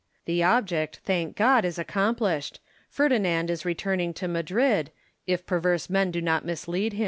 The object, thank God, is accomplished. Ferdi nand is returning to Madrid, if perverse men do not mislead him.